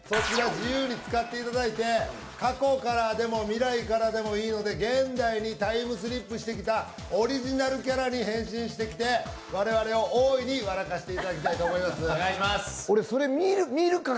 自由に使っていただいて過去からでも未来からでもいいので現代にタイムスリップしてきたオリジナルキャラに変身してきて我々を大いに笑かしていただきたいと思いますお願いします